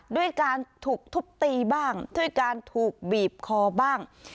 ด้วยการถูกทุบตีบ้างด้วยการถูกบีบคอบ้าง